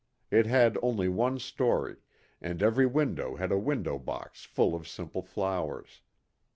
It had only one story, and every window had a window box full of simple flowers.